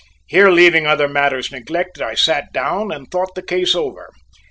Here leaving other matters neglected, I sat down, and thought the case over.